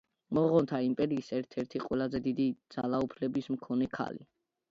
მონღოლთა იმპერიის ერთ-ერთი ყველაზე დიდი ძალაუფლების მქონე ქალი.